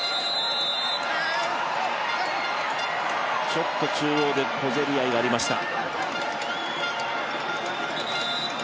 ちょっと中央で小競り合いがありました。